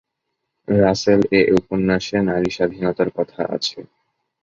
রাসেল এ উপন্যাসে নারী স্বাধীনতার কথা আছে।